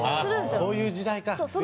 そういう時代か。